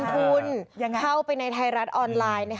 คุณเข้าไปในไทยรัฐออนไลน์